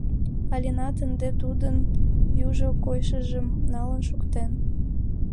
Алинат ынде тудын южо койышыжым налын шуктен.